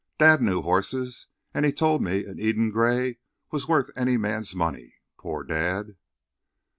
Dad knew horses, and he told me an Eden Gray was worth any man's money. Poor Dad!"